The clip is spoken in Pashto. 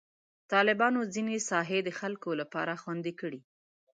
طالبانو ځینې ساحې د خلکو لپاره خوندي کړي.